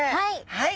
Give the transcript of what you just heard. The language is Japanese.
はい。